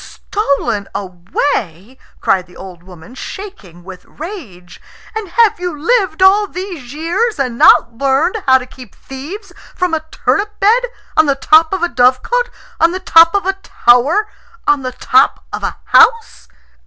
"Stolen away?" cried the old woman, shaking with rage. "And have you lived all these years and not learned how to keep thieves from a turnip bed, on the top of a dovecot, on the top of a tower, on the top of a house?